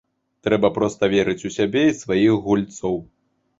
Трэба проста верыць у сябе і сваіх гульцоў.